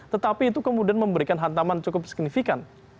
tetapi itu kemudian memberikan hantaman cukup signifikan